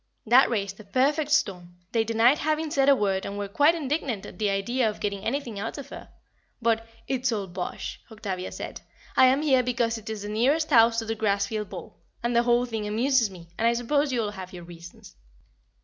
That raised a perfect storm, they denied having said a word and were quite indignant at the idea of getting anything out of her; but "It's all bosh," Octavia said, "I am here because it is the nearest house to the Grassfield ball, and the whole thing amuses me, and I suppose you all have your reasons."